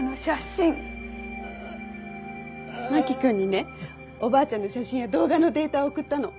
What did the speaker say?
真木君にねおばあちゃんの写真や動画のデータを送ったの。